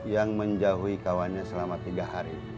yang menjauhi kawannya selama tiga hari